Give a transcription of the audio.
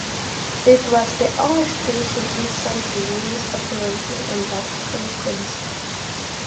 It was the only station in Saint Louis operating on that frequency.